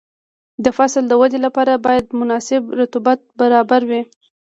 د فصل د ودې لپاره باید مناسب رطوبت برابر وي.